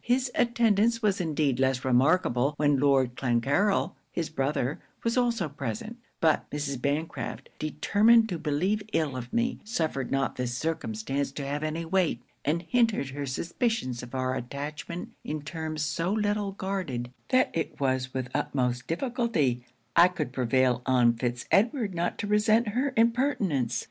His attendance was indeed less remarkable when Lord Clancarryl, his brother, was also present; but Mrs. Bancraft, determined to believe ill of me, suffered not this circumstance to have any weight, and hinted her suspicions of our attachment in terms so little guarded, that it was with the utmost difficulty I could prevail on Fitz Edward not to resent her impertinence.